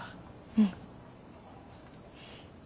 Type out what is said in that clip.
うん。